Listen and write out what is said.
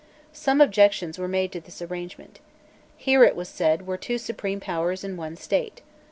Some objections were made to this arrangement. Here, it was said, were two supreme Powers in one State.